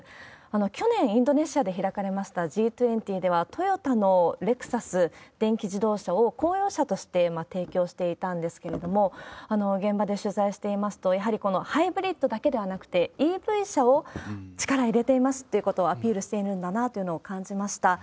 去年、インドネシアで開かれましたＧ２０では、トヨタのレクサス、電気自動車を公用車として提供していたんですけれども、現場で取材していますと、やはりこのハイブリッドだけではなくて、ＥＶ車を力入れていますっていうことをアピールしているんだなということを感じました。